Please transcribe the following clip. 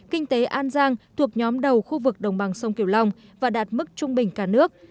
kinh tế an giang thuộc nhóm đầu khu vực đồng bằng sông kiều long và đạt mức trung bình cả nước